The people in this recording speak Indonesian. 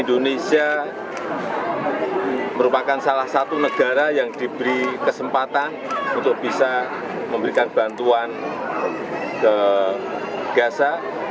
indonesia merupakan salah satu negara yang diberi kesempatan untuk bisa memberikan bantuan ke gaza